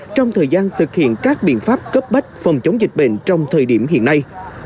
trong thời gian thực hiện các biện pháp cấp bách phòng chống dịch bệnh trong thời điểm hiện nay